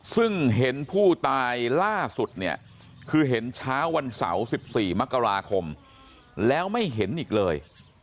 ซึ่งเห็นผู้ตายล่าสุดเนี่ยคือเห็นเช้าวันเสาร์๑๔มกราคมแล้วไม่เห็นอีกเลย